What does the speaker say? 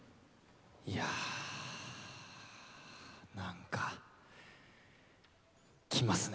いや何かきますね。